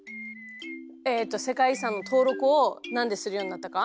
えっと世界遺産の登録をなんでするようになったか？